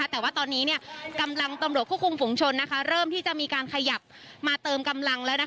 แต่ว่าตอนนี้กำลังตำรวจควบคุมฝุงชนเริ่มที่จะมีการขยับมาเติมกำลังแล้ว